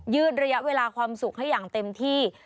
ืดระยะเวลาความสุขให้อย่างเต็มที่